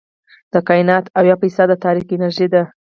د کائنات اويا فیصده تاریک انرژي ده.